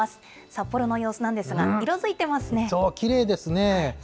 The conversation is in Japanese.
札幌の様子なんですが、そう、きれいですね。